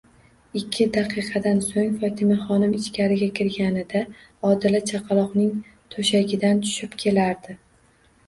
Ikki daqiqadan so'ng Fotimaxonim ichkari kirganida Odila chaqaloqning to'shagidan tushib kelardi.